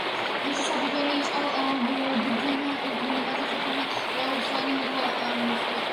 მისი საფუძველი იყო ბერძენ გმირებზე შექმნილი მრავალრიცხოვანი მონათხრობები.